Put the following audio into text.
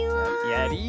やり。